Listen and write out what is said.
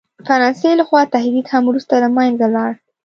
فرانسې له خوا تهدید هم وروسته له منځه ولاړ.